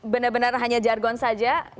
benar benar hanya jargon saja